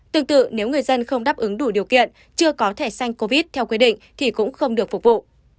tương tự nếu người dân không đáp ứng đủ điều kiện chưa có thẻ xanh covid theo quy định thì cũng không được phục vụ